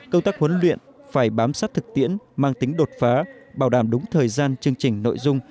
công tác huấn luyện phải bám sát thực tiễn mang tính đột phá bảo đảm đúng thời gian chương trình nội dung